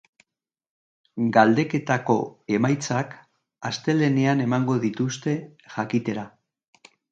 Galdeketako emaitzak astelehenean emango dituzte jakitera.